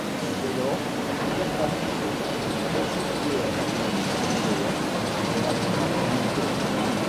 Dès lors, la super-famille des Hesperioidea n'a plus lieu d'être.